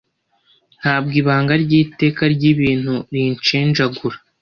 ntabwo ibanga ry'iteka ry'ibintu rinshenjagura